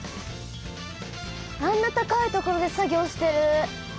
あんな高い所で作業してる。